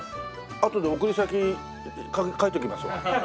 あとで送り先書いておきましょうか？